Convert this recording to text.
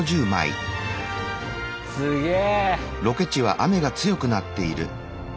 すげえ。